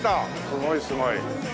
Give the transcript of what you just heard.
すごいすごい。